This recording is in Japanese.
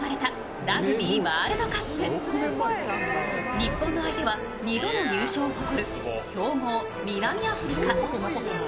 日本の相手は２度の優勝を誇る強豪・南アフリカ。